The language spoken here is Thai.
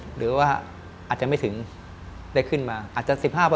หรือว่าอาจจะไม่ถึงได้ขึ้นมาอาจจะ๑๕